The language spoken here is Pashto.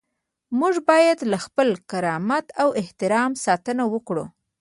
موږ باید له خپل کرامت او احترام ساتنه وکړو.